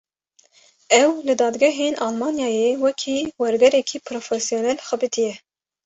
Ew, li dadgehên Almanyayê, wekî wergêrekî profesyonel xebitiye